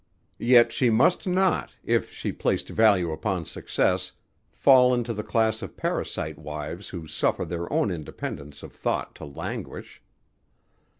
Yet she must not, if she placed value upon success, fall into the class of parasite wives who suffer their own independence of thought to languish.